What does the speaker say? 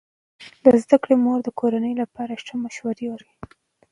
د زده کړې مور د کورنۍ لپاره ښه مشوره ورکوي.